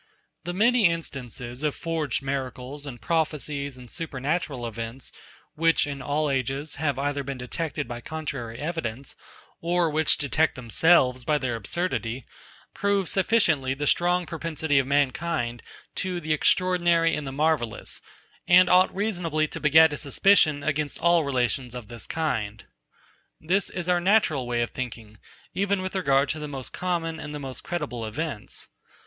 The many instances of forged miracles, and prophecies, and supernatural events, which, in all ages, have either been detected by contrary evidence, or which detect themselves by their absurdity, prove sufficiently the strong propensity of mankind to the extraordinary and the marvellous, and ought reasonably to beget a suspicion against all relations of this kind. This is our natural way of thinking, even with regard to the most common and most credible events.